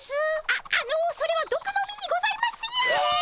あっあのそれはどくの実にございますよ。